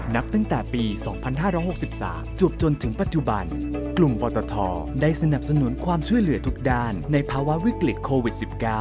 นับตั้งแต่ปี๒๕๖๓จวบจนถึงปัจจุบันกลุ่มปตทได้สนับสนุนความช่วยเหลือทุกด้านในภาวะวิกฤตโควิด๑๙